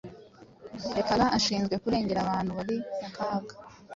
leparan ashinzwe kurengera abana bari mu kaga